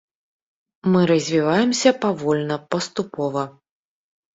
Мы развіваемся павольна, паступова.